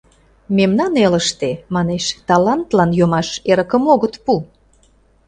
Мемнан элыште, — манеш, — талантлан йомаш эрыкым огыт пу.